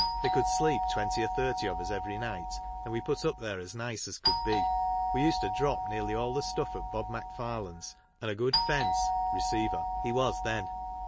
They could sleep twenty or thirty of us every night, and we put up there as nice as could be. We used to drop nearly all the stuff at Bob Macfarlane's, and a good fence (receiver) he was then.